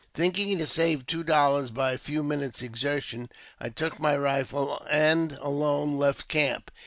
Thinking to save two dollars by a few minutes ' exertion, I took my rifle and alone left camp.